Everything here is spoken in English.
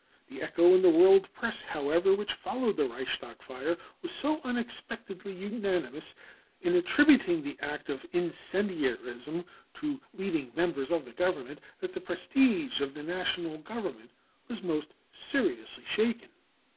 The echo in the world Press, however, which followed the Reichstag fire, was so unexpectedly unanimous in attributing the act of incendiarism to leading members of the government that the prestige of the National Government was most seriously shaken.